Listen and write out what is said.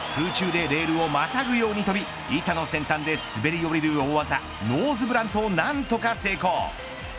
空中でレールをまたぐように飛び板の先端で滑り降りる大技ノーズブラントを何とか成功。